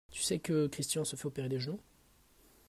Tu sais que Christian se fait opérer des genoux?